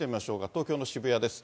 東京の渋谷です。